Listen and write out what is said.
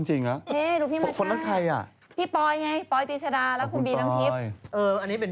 เฮ่ยดูพี่มาช้าคนทั้งใครอ่ะพี่ปลอยไงปลอยตีชดาแล้วคุณบีนน้องทิพย์